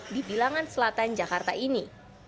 di bilangan selatan jakarta ini